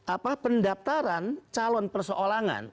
apa pendaptaran calon perseolangan